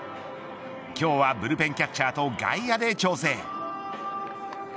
今日はブルペンキャッチャーと外野で調整。